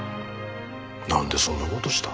なんでそんな事した？